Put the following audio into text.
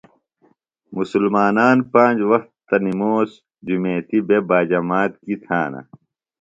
مسلمانان پانج وخت نموس جُمیتی بےۡ باجمات کیۡ تھانہ۔